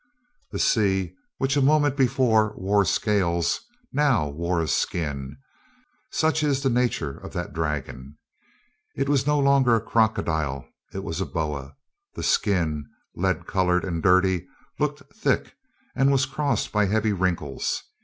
The sea, which a moment before wore scales, now wore a skin such is the nature of that dragon. It was no longer a crocodile: it was a boa. The skin, lead coloured and dirty, looked thick, and was crossed by heavy wrinkles.